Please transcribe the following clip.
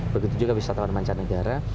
begitu juga wisatawan mancanegara